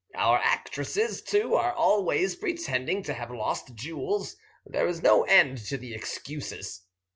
Our actresses, too, are always pretending to have lost jewels; there is no end to the excuses.